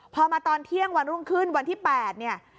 พอมาตอนเที่ยงวันรุ่งขึ้นวันที่๘เนี่ย